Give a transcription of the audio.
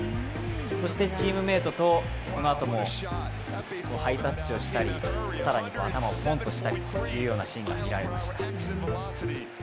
そしてチームメートとこのあともハイタッチをしたり更に頭をぽんとしたりというシーンが見られました。